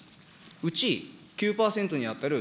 うち９％に当たる